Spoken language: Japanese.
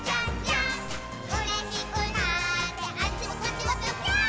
「うれしくなってあっちもこっちもぴょぴょーん」